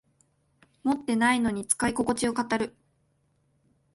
持ってないのに使いここちを語る